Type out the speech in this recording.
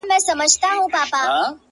زما په څېره كي. ښكلا خوره سي.